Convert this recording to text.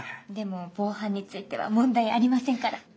でも防犯については問題ありませんから。